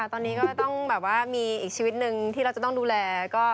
ตอนนี้ก็ต้องมีอีกชีวิตหนึ่งที่เราจะดูแล